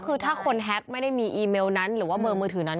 คือถ้าคนแฮ็กไม่ได้มีอีเมลนั้นหรือว่าเบอร์มือถือนั้น